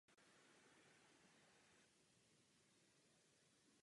V této funkci je jeho nejvyšším představitelem v Německu.